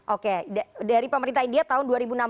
oke dari pemerintah india tahun dua ribu enam belas